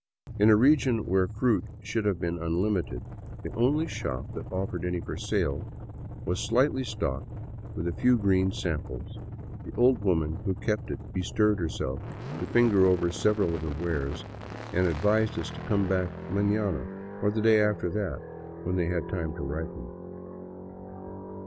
In a region where fruit should have been unlimited, the only shop that offered any for sale was slightly stocked with a few green samples. The old woman who kept it bestirred herself to finger over several of her wares, and advised us to come back maiiana or the day after when they had had time to ripen.